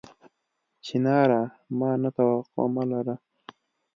چناره! ما نه توقع مه لره